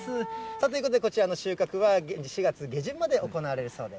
ということで、こちらの収穫は、４月下旬まで行われるそうです。